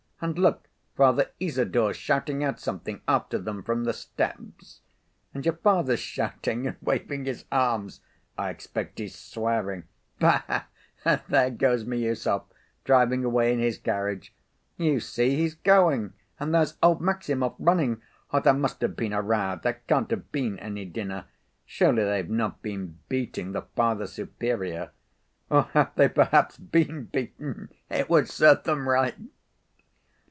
And look, Father Isidor's shouting out something after them from the steps. And your father's shouting and waving his arms. I expect he's swearing. Bah, and there goes Miüsov driving away in his carriage. You see, he's going. And there's old Maximov running!—there must have been a row. There can't have been any dinner. Surely they've not been beating the Father Superior! Or have they, perhaps, been beaten? It would serve them right!"